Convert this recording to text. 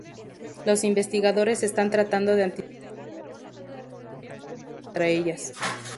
Los investigadores están tratando de anticipar las epidemias para una mejor lucha contra ellas.